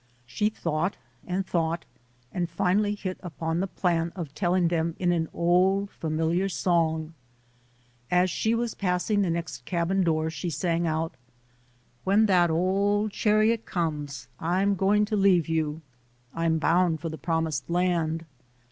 She thought and thought, and finally hit upon the plan of telling them in an old familiar song. As she was passing the next cabin door she sang out : When that old chariot comes, I'm going to leave you; I'm bound for the promised land.